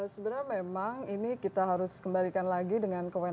sebenarnya memang ini kita harus kembalikan lagi dengan kewenangan